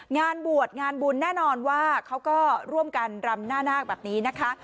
งานบวชงานบุญแน่นอนว่าเขาก็ร่วมกันรำหน้านาคแบบนี้นะคะ